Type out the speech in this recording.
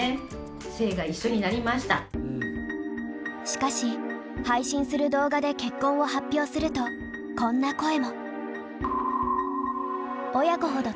しかし配信する動画で結婚を発表するとこんな声も。